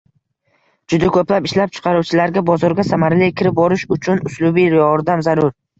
juda ko‘plab ishlab chiqaruvchilarga bozorga samarali kirib borish uchun uslubiy yordam zarur.